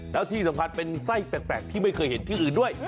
แล้วที่สำคัญเป็นไส้แปลกที่ไม่เคยเห็นที่อื่นด้วย